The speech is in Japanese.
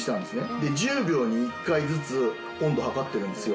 で１０秒に１回ずつ温度測ってるんですよ。